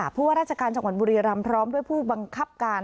ผู้ว่าราชการจังหวัดบุรีรำพร้อมด้วยผู้บังคับการ